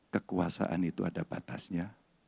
kekuasaan itu ada batasnya